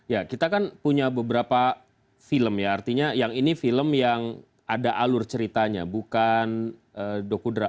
ya kita kan punya beberapa film ya artinya yang ini film yang ada alur ceritanya bukan dokudrat